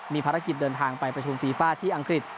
มีภารกิจเดินทางไปประชุมฟีฟ่าที่อังกฤษ